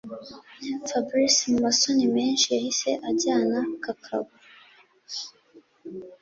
Fabric mumasoni menshi yahise ajyana kakabo